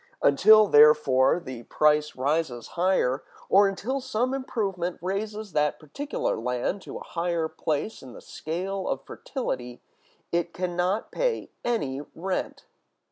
Until, therefore, the price rises higher, or until some improvement raises that particular land to a higher place in the scale of fertility, it can not pay any rent.